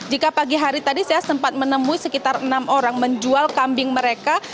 jika pagi hari tadi saya sempat menemui sekitar enam orang menjual kambing mereka